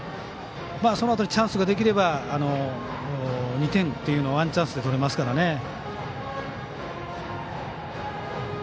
そのあとにチャンスができれば２点というのをワンチャンスで取れますからね。